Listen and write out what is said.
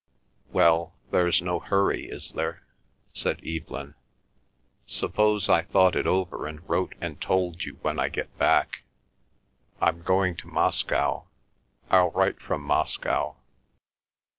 "Well—there's no hurry, is there?" said Evelyn. "Suppose I thought it over and wrote and told you when I get back? I'm going to Moscow; I'll write from Moscow."